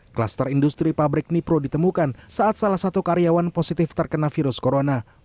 kluster industri pabrik nipro ditemukan saat salah satu karyawan positif terkena virus corona